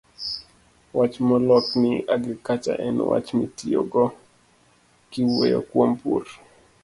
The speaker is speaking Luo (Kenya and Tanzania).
wach molok ni "agriculture" en wach mitiyogo kiwuoyo kuom pur.